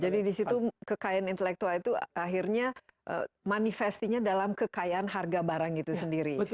jadi di situ kekayaan intelektual itu akhirnya manifestinya dalam kekayaan harga barang itu sendiri